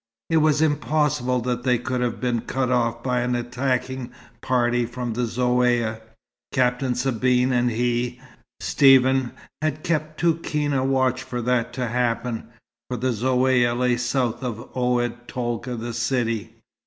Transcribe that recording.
It was impossible that they could have been cut off by an attacking party from the Zaouïa. Captain Sabine and he, Stephen, had kept too keen a watch for that to happen, for the Zaouïa lay south of Oued Tolga the city.